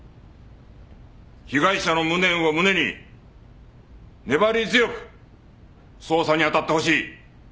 被害者の無念を胸に粘り強く捜査にあたってほしい。